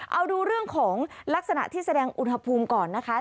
เอาดูเรื่องของลักษณะที่แสดงอุณหภูมิก่อนนะคะ